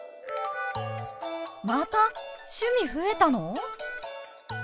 また趣味増えたの！？